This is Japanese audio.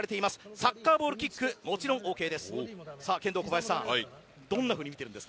サッカーボールキックももちろんＯＫです。